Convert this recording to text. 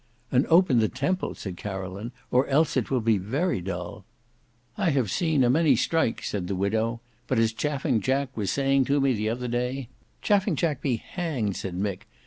"And open the Temple," said Caroline, "or else it will be very dull." "I have seen a many strikes," said the widow, "but as Chaffing Jack was saying to me the other day—" "Chaffing Jack be hanged," said Mick.